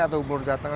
atau gubernur jateng